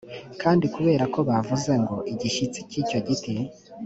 kandi kubera ko bavuze ngo igishyitsi cy icyo giti